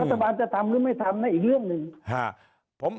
รัฐบาลจะทำหรือไม่ทำนะอีกเรื่องหนึ่ง